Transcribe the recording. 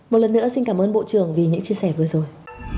một lần nữa xin cảm ơn bộ trưởng vì những chia sẻ vừa rồi